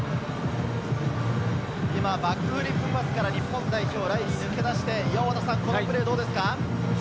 バックフリップパスから日本代表・ライリーが抜け出して、このプレーいかがですか？